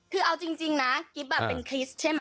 คือเอาจริงนะกิ๊บเป็นคริสต์ใช่ไหม